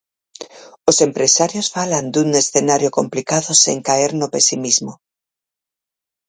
Os empresarios falan dun escenario complicado sen caer no pesimismo.